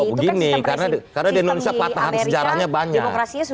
begini karena di indonesia patahan sejarahnya banyak